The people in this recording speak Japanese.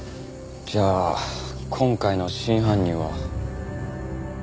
じゃあ今回の真犯人は。